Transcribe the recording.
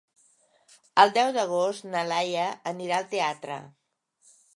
El deu d'agost na Laia anirà al teatre.